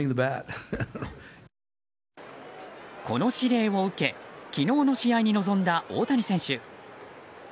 この指令を受け昨日の試合に臨んだ大谷選手。